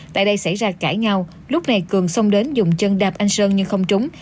tại đây xảy ra cãi nhau lúc này cường xông đến dùng chân đạp anh sơn nhưng không trúng